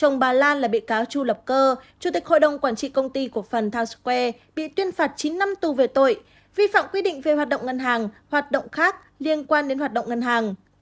bà lan là bị cáo chu lập cơ chủ tịch hội đồng quản trị công ty cổ phần tonsquare bị tuyên phạt chín năm tù về tội vi phạm quy định về hoạt động ngân hàng hoạt động khác liên quan đến hoạt động ngân hàng